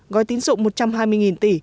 gói tín dụng một trăm hai mươi tỷ